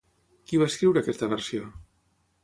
Qui va escriure aquesta versió?